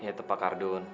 ya itu pak ardun